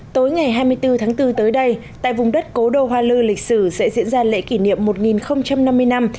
tối ngày hai mươi bốn tháng bốn tới đây tại vùng đất cố đô hoa lư lịch sử sẽ diễn ra lễ kỷ niệm một năm mươi năm